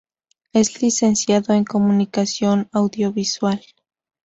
Es licenciado en Comunicación Audiovisual.